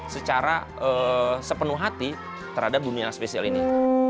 secara sepenuh hati terhadap dunia spesial ini